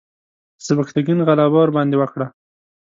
سبکتګین غلبه ورباندې وکړه.